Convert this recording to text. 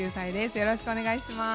よろしくお願いします。